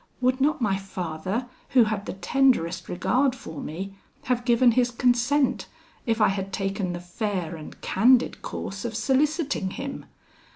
Would not my father, who had the tenderest regard for me, have given his consent, if I had taken the fair and candid course of soliciting him?